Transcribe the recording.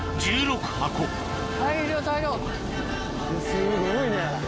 すごいね。